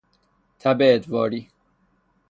تب ادواری